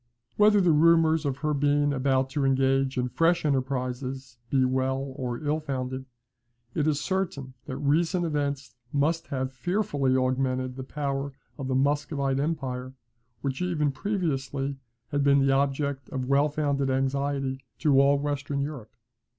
Whether the rumours of her being about to engage in fresh enterprises be well or ill founded, it is certain that recent events must have fearfully augmented the power of the Muscovite empire, which, even previously, had been the object of well founded anxiety to all Western Europe.